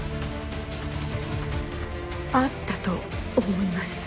あったと思います。